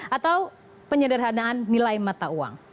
atau penyederhanaan nilai mata uang